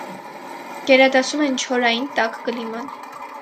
Գերադասում են չորային, տաք կլիման։